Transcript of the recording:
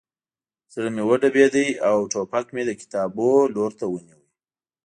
زړه مې وډبېده او ټوپک مې د کتابونو لور ته ونیو